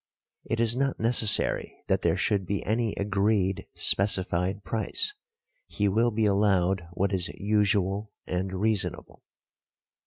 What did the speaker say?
It is not necessary that there should be any agreed specified price, he will be allowed what is usual and reasonable .